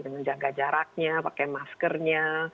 menjaga jaraknya pakai maskernya